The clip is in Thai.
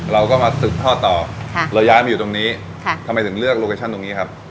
เราก็มาสืบทอดต่อเราย้ายมาอยู่ตรงนี้ทำไมถึงเลือกโลเคชั่นตรงนี้ครับ